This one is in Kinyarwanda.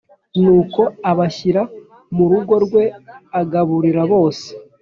Nuko abashyira mu rugo rwe agaburira bose